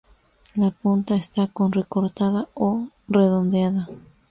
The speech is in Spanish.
La punta está con recortada o redondeada.